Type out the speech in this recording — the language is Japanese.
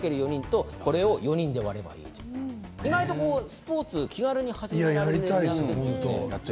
意外と気軽に始められるんですよね。